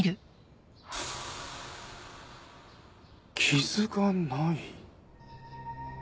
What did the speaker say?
傷がない。